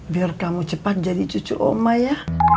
biar kamu cepat jadi cucu oma ya